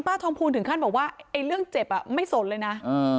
ทองภูลถึงขั้นบอกว่าไอ้เรื่องเจ็บอ่ะไม่สนเลยนะ